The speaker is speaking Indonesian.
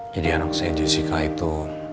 jadi anak saya jessica itu